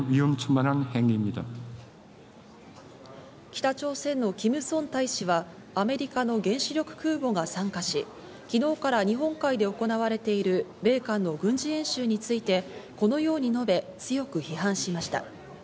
北朝鮮のキム・ソン大使は、アメリカの原子力空母が参加し、昨日から日本海で行われている米韓の軍事演習について、このように述べ、強く批判しました。